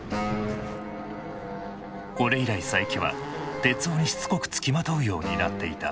これ以来佐伯は徹生にしつこくつきまとうようになっていた。